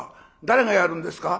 誰がやるんですか？」。